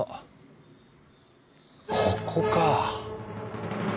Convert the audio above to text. ここか。